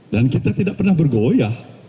dan kita tidak pernah bergoyah